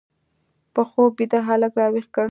په خوب بیده هلک راویښ کړ